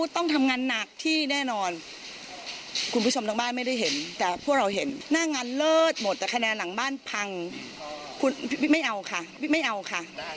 หน้างานที่พี่ปุ้ยกลัวแม่บอกว่าเต็งตกมามืด